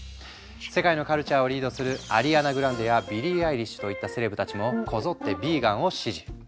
世界のカルチャーをリードするアリアナ・グランデやビリー・アイリッシュといったセレブたちもこぞってヴィーガンを支持。